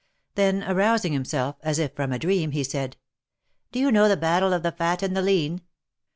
Then arousing himself, as if from a dream, he said : Do you know the Battle of the Fat and the Lean